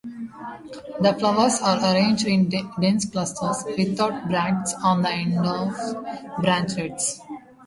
The flowers are arranged in dense clusters without bracts on the ends of branchlets.